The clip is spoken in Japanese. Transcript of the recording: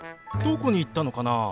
どこに行ったのかな？